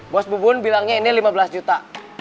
bos bubun bilangnya ini lima belas juta